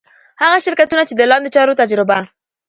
هغه شرکتونه چي د لاندي چارو تجربه